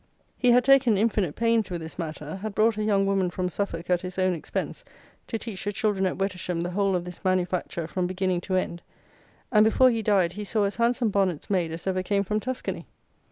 He had taken infinite pains with this matter, had brought a young woman from Suffolk at his own expense, to teach the children at Wettersham the whole of this manufacture from beginning to end; and, before he died, he saw as handsome bonnets made as ever came from Tuscany.